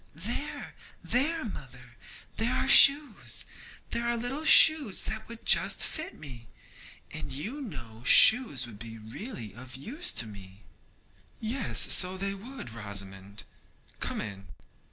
'There, there, mother, there are shoes; there are little shoes that would just fit me, and you know shoes would be really of use to me.' 'Yes, so they would, Rosamond. Come in.'